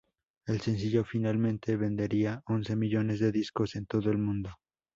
El sencillo finalmente vendería once millones de discos en todo el mundo.